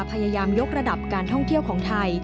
พยายามยกระดับการท่องเที่ยวของไทย